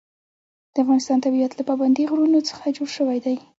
د افغانستان طبیعت له پابندی غرونه څخه جوړ شوی دی.